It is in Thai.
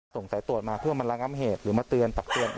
ส่งสายตรวจมาเพื่อมาระงับเหตุหรือมาเตือนตักเตือน